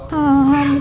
với người mẹ này